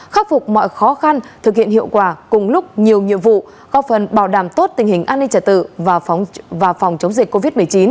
khắc phục mọi khó khăn thực hiện hiệu quả cùng lúc nhiều nhiệm vụ góp phần bảo đảm tốt tình hình an ninh trả tự và phòng chống dịch covid một mươi chín